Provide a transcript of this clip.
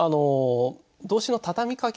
動詞のたたみかけ